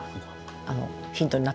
ヒントになった？